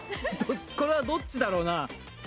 これはどっちだろうな？